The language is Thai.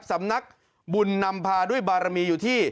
สำนักบุญนำพาด้วยบารมีอยู่ที่